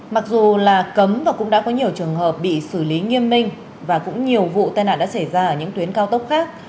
mặc dù là cấm và cũng đã có nhiều trường hợp bị xử lý nghiêm minh và cũng nhiều vụ tai nạn đã xảy ra ở những tuyến cao tốc khác